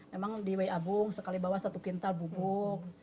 memang di w abung sekali bawa satu kintal bubuk